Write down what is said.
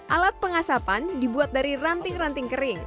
alat pengasapan dibuat dari ranting ranting kering